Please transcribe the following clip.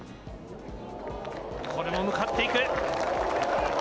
これも向かっていく。